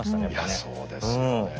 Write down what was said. いやそうですよね。